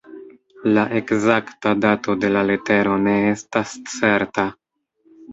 La ekzakta dato de la letero ne estas certa.